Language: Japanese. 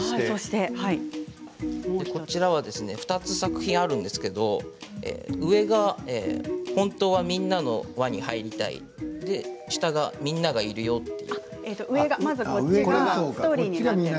最後は２つ作品があるんですけど上が「本当はみんなの輪に入りたい」下が「みんながいるよ」です。